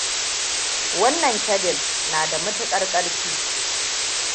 Wanna kyabil na da matuƙar ƙarfi.